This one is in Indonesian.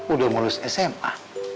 udah mau lulus sma